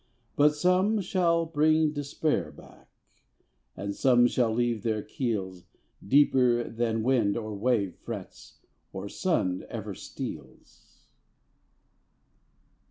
But some shall bring despair back And some shall leave their keels Deeper than wind or wave frets, Or sun ever steals.